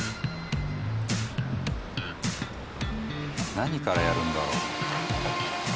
何からやるんだろう？